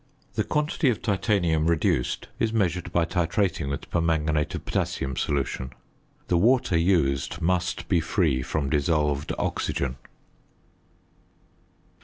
The quantity of titanium reduced is measured by titrating with permanganate of potassium solution. The water used must be free from dissolved oxygen.